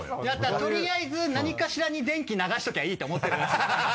とりあえず何かしらに電気流しときゃいいって思ってるんですよね。